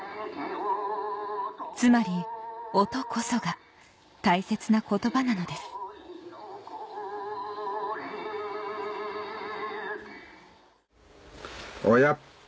つまり音こそが大切な言葉なのですオヤプ